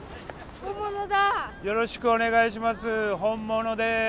よろしくお願いします。